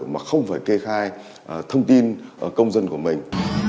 mà không phải kê khai thông tin công dân của mình